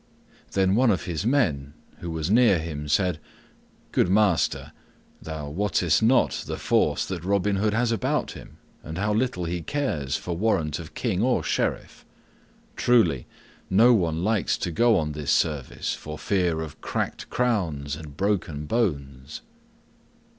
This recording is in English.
Then one of his men who was near him said, "Good master, thou wottest not the force that Robin Hood has about him and how little he cares for warrant of king or sheriff. Truly, no one likes to go on this service, for fear of cracked crowns and broken bones."